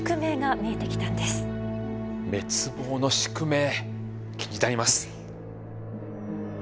滅亡の宿命気になります。